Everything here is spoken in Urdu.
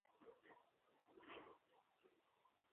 ابوظہبی ٹیسٹپاکستان کی انگلینڈ کیخلاف ٹاس جیت کر بیٹنگ